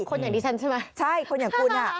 คนอย่างดิฉันใช่ไหมใช่คนอย่างคุณ